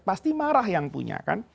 pasti marah yang punya kan